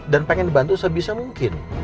dan pengen dibantu sebisa mungkin